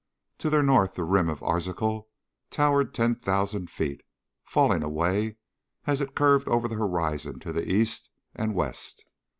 To their north the rim of Arzachel towered ten thousand feet, falling away as it curved over the horizon to the east and west.